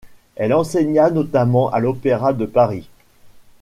Elle enseigna notamment à l'Opéra de Paris.